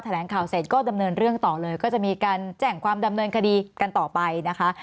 แหลงข่าวเสร็จก็ดำเนินเรื่องต่อเลยก็จะมีการแจ้งความดำเนินคดีกันต่อไปนะคะ